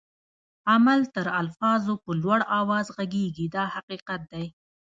عمل تر الفاظو په لوړ آواز ږغيږي دا حقیقت دی.